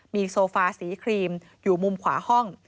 มีโซฟาสีครีมอยู่มุมขวาห้อง